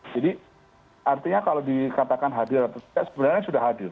jadi artinya kalau dikatakan hadir atau tidak sebenarnya sudah hadir